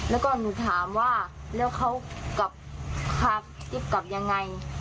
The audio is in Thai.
แล้วก็หนูถามว่าแล้วเขากลับพาติ๊บกลับยังไง